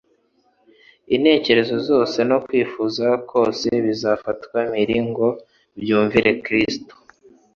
Intekerezo zose no kwifuza kose bizafatwa mpiri ngo byumvire Kristo.